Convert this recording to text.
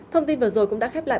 thông tin vừa rồi cũng đã khép lại